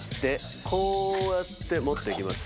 こうやって持っていきます。